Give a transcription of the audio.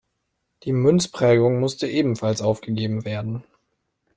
Die Münzprägung musste ebenfalls aufgegeben werden.